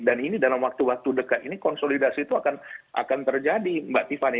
dan ini dalam waktu waktu dekat ini konsolidasi itu akan terjadi mbak tiffany